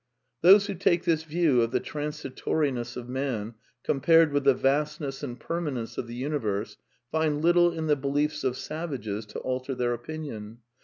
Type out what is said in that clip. ..."" Those who take this view of the transitoriness of man com pared with the vastness and permanence of the imiverse And lit tle in the beliefs of savages to alter their opinion.